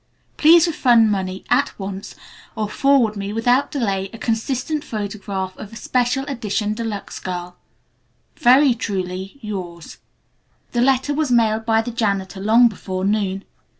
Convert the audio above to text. Please refund money at once or forward me without delay a consistent photograph of a 'special edition de luxe' girl. "Very truly yours." The letter was mailed by the janitor long before noon.